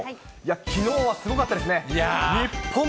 きのうはすごかったですね。